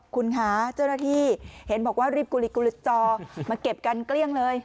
คุณคะเจ้าหน้าที่เห็นบอกว่ารีบกุลิกุลจอมาเก็บกันเกลี้ยงเลย